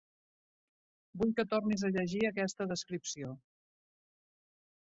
Vull que tornis a llegir aquesta descripció.